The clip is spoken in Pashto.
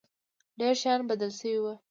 ډېر شيان بدل سوي وو.